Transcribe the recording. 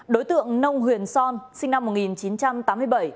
đối tượng nông huyền son sinh năm một nghìn chín trăm tám mươi bảy